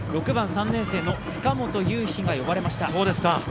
６番、３年生の塚本悠日が呼ばれました。